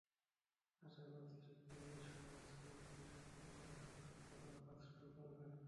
আশা করছি, শিগগিরই সওজ সড়কটি সংস্কারের পাশাপাশি প্রশস্ত করার কাজ শুরু করবে।